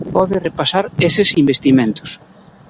Pode repasar eses investimentos.